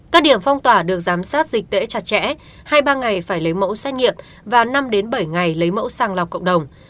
các điểm phong tỏa được giám sát dịch tễ chặt chẽ hai ba ngày phải lấy mẫu xét nghiệm và năm bảy ngày lấy mẫu sàng lọc cộng đồng